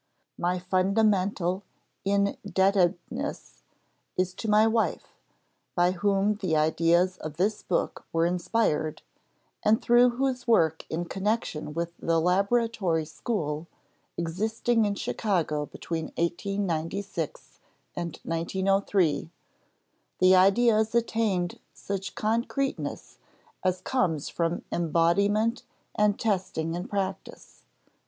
My fundamental indebtedness is to my wife, by whom the ideas of this book were inspired, and through whose work in connection with the Laboratory School, existing in Chicago between 1896 and 1903, the ideas attained such concreteness as comes from embodiment and testing in practice.